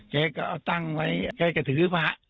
แกก็ตั้งไว้แกก็ถือผ้า